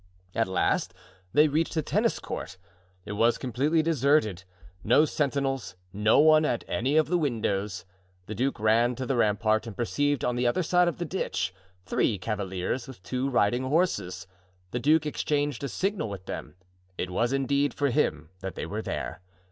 At last they reached the tennis court. It was completely deserted. No sentinels, no one at any of the windows. The duke ran to the rampart and perceived on the other side of the ditch, three cavaliers with two riding horses. The duke exchanged a signal with them. It was indeed for him that they were there.